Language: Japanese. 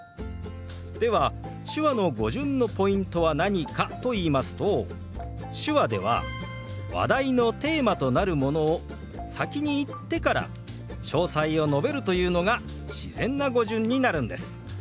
では手話の語順のポイントは何かといいますと手話では話題のテーマとなるものを先に言ってから詳細を述べるというのが自然な語順になるんです。